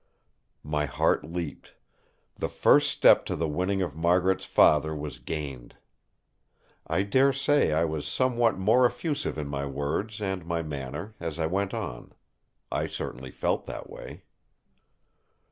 My heart leaped. The first step to the winning of Margaret's father was gained. I dare say I was somewhat more effusive in my words and my manner as I went on. I certainly felt that way.